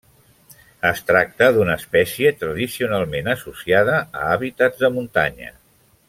Es tracta d'una espècie tradicionalment associada a hàbitats de muntanya.